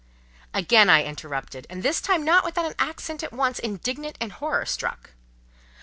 Again I interrupted, and this time not without an accent at once indignant and horror struck.